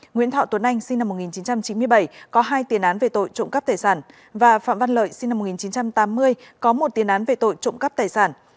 nguyễn thọ tuấn anh sinh năm một nghìn chín trăm chín mươi bảy có hai tiền án về tội trộm cắp tài sản và phạm văn lợi sinh năm một nghìn chín trăm tám mươi có một tiền án về tội trộm cắp tài sản